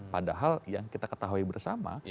padahal yang kita ketahui bersama